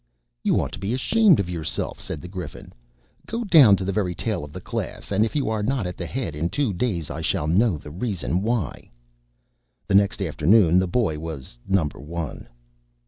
"You ought to be ashamed of yourself," said the Griffin. "Go down to the very tail of the class, and if you are not at the head in two days, I shall know the reason why." The next afternoon the boy was number one.